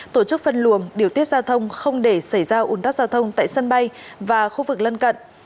tổ chức phân luồng điều tiết giao thông không để xảy ra ủn tắc giao thông tại sân bay và khu vực lân cận